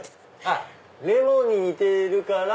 レモンに似ているから。